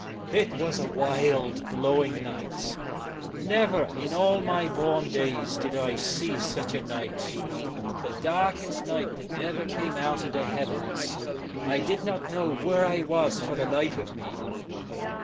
It was a wild blowing night. Never in all my born days did I see such a night — the darkest night that ever came out of the heavens. I did not know where I was i54 for the life of me.